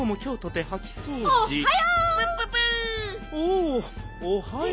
おおはよう。